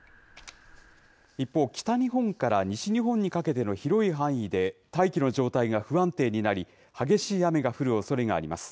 一方、北日本から西日本にかけての広い範囲で、大気の状態が不安定になり、激しい雨が降るおそれがあります。